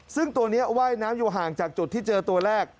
ซึ่งตัวนี้ว่ายน้ำอยู่ห่างจากจุดที่เจอตัวแรก